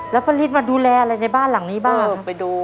แล้วป้าฤทธิมาดูแลอะไรในบ้านหลังนี้บ้างไปดู